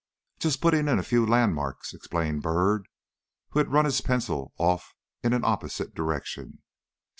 "Just putting in a few landmarks," explained Byrd, who had run his pencil off in an opposite direction.